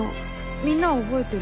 みんなは覚えてる？